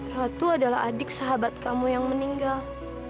ratu adalah adik sahabat kamu yang meninggal